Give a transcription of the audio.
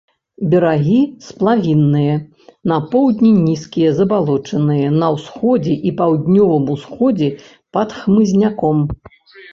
Берагі сплавінныя, на поўдні нізкія, забалочаныя, на ўсходзе і паўднёвым усходзе пад хмызняком.